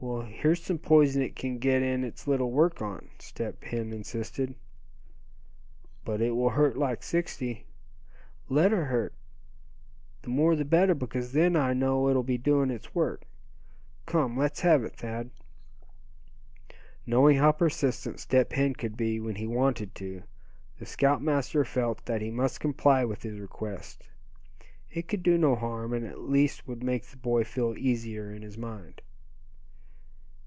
"Well, here's some poison it can get in its little work on," Step Hen insisted. "But it will hurt like sixty." "Let her hurt. The more the better; because then I know it'll be doing its work. Come, let's have it, Thad." Knowing how persistent Step Hen could be when he wanted to, the scoutmaster felt that he must comply with his request. It could do no harm, and at least would make the boy feel easier in his mind.